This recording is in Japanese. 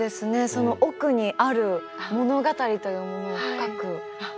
その奥にある物語というものを深く感じますね。